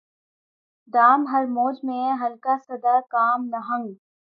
دام ہر موج میں ہے حلقۂ صد کام نہنگ